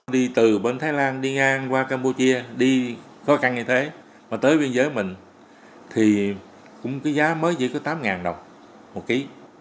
đi từ bên thái lan đi ngang qua campuchia đi khó khăn như thế mà tới biên giới mình thì cũng cái giá mới chỉ có tám đồng một ký